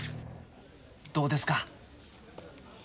どうですか？